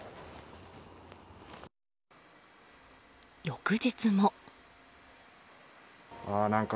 翌日も。